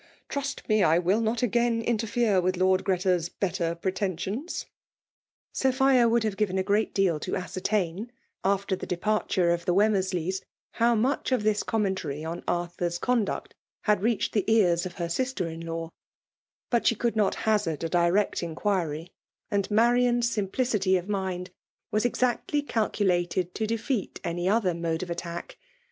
Trust me, I will not ag^lda inter' tatc vntik Lord Greta's better preteaskMis;^* Sophia would hare given a gjlraat de al id a8oertain> after the departure of die Wemw mendeysy how mueh of this comrndnlstry oir Arthur's conduct had reached the ears of hei^ sister in law. But she could noi| haiard ^ direct inquiry; and Marian's siiaplicily . of mind was exactly calculated to defiHii any other mode of attack.